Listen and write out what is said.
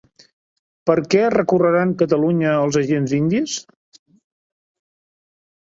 Per què recorreran Catalunya els agents indis?